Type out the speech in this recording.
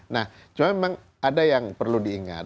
nah cuma memang ada yang perlu diingat